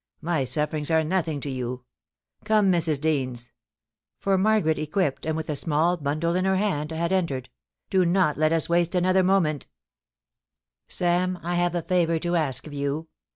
My sufferings are nothing to you. Come, Mrs. Deans '— for Margaret, equipped, and with a small bundle in her hand, had entered —* do not let us waste another moment Sam, I have a favour to ask of you.